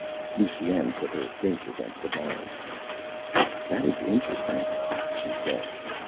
Lusine put her face against the bars. "That is interesting," she said.